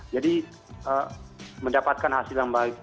jadi mendapatkan hasil yang baik